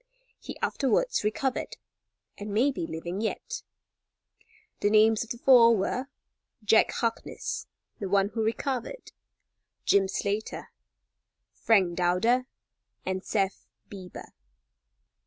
He afterwards recovered, and may be living yet. The names of the four were: Jack Harkness, the one who recovered; Jim Slater, Frank Dowder and Seth Beeber.